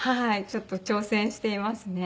ちょっと挑戦していますね。